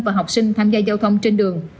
và học sinh tham gia giao thông trên đường